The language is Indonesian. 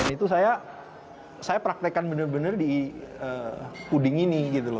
itu saya praktekkan benar benar di kuding ini